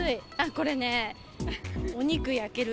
これね、お肉焼ける。